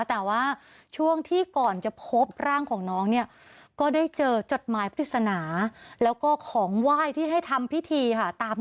แต่ว่าช่วงที่ก่อนจะพบร่างของน้องเนี่ยก็ได้เจอจดหมายพฤษณาแล้วก็ของไหว้ที่ให้ทำพิธีค่ะ